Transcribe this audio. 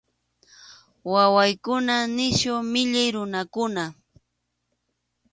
Wawaykunan nisyu millay runakunam.